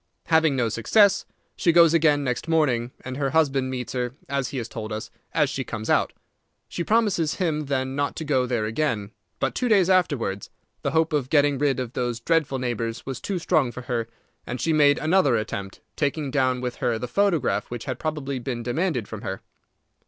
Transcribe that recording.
Having no success, she goes again next morning, and her husband meets her, as he has told us, as she comes out. She promises him then not to go there again, but two days afterwards the hope of getting rid of those dreadful neighbours was too strong for her, and she made another attempt, taking down with her the photograph which had probably been demanded from her.